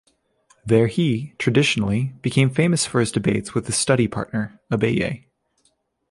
There he, traditionally, became famous for his debates with his study-partner Abaye.